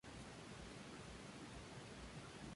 El Dto.